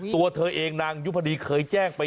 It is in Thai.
ตัวเธอเองนางยุพดีเคยแจ้งไป